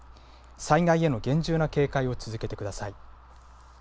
災害への厳重な警戒を続けてください。